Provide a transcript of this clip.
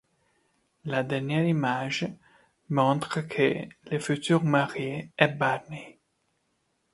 La dernière image montre que le futur marié est Barney.